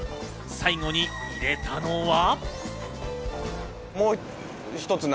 最後に入れたのは。